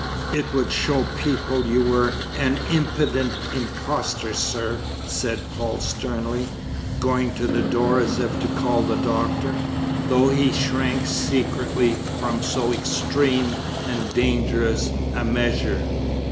"It would show people you were an impudent impostor, sir," said Paul sternly, going to the door as if to call the Doctor, though he shrank secretly from so extreme and dangerous a measure.